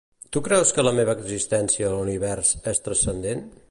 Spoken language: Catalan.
Tu creus que la meva existència a l'Univers és transcendent?